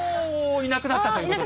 いなくなった！